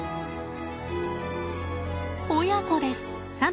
親子です。